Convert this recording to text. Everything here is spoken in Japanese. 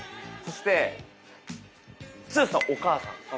そして剛さんお母さん。